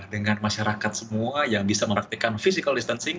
dengan masyarakat semua yang bisa meraktikan physical distancing